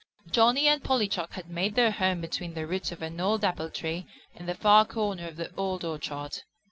Johnny and Polly Chuck had made their home between the roots of an old apple tree in the far corner of the Old Orchard.